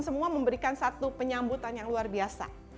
semua memberikan satu penyambutan yang luar biasa